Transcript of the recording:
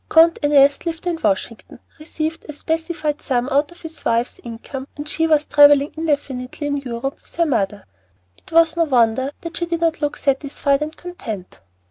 Count Ernest lived in Washington, receiving a specified sum out of his wife's income, and she was travelling indefinitely in Europe with her mother. It was no wonder that she did not look satisfied and content.